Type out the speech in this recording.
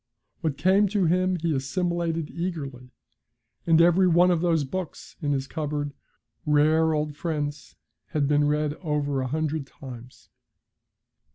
What came to him he assimilated eagerly, and every one of those books in his cupboard, rare old friends, had been read over a hundred times.